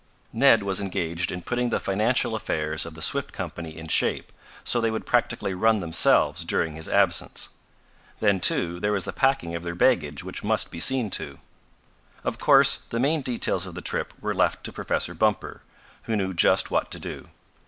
Ned was engaged in putting the financial affairs of the Swift Company in shape, so they would practically run themselves during his absence. Then, too, there was the packing of their baggage which must be seen to. Of course, the main details of the trip were left to Professor Bumper, who knew just what to do.